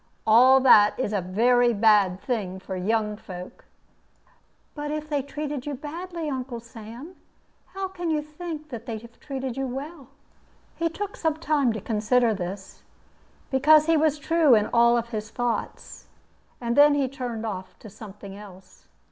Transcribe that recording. All that is a very bad thing for young folk." "But if they treated you badly, Uncle Sam, how can you think that they treated you well?" He took some time to consider this, because he was true in all his thoughts; and then he turned off to something else.